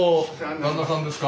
旦那さんですか。